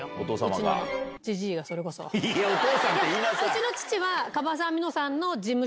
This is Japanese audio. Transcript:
うちの父は。